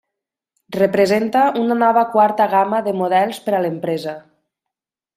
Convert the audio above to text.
Representa una nova quarta gamma de models per a l'empresa.